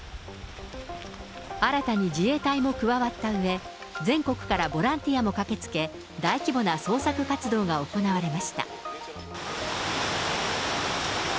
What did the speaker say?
新たに自衛隊も加わったうえ、全国からボランティアも駆けつけ、大規模な捜索活動が行われました。